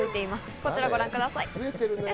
こちらをご覧ください。